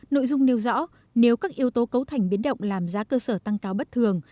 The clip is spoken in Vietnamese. nội dung nêu rõ nếu các yếu tố cấu thành biến động làm giá cơ sở tăng cao bất thường